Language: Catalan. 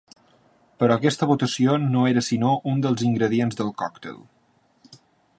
Però aquesta votació no era sinó un dels ingredients del còctel.